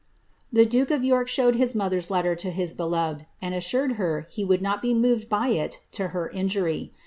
The duke of York showed his mother's letter to his beloved, and assured her he would not be moved by it to her injury.